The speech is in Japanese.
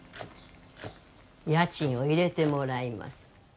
家賃を入れてもらいます